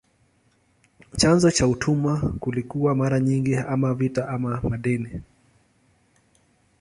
Chanzo cha utumwa kilikuwa mara nyingi ama vita ama madeni.